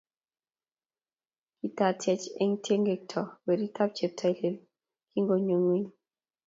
Kityachech eng tengekto weritab cheptailel kingonyo ingweny